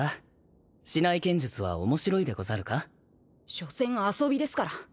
しょせん遊びですから。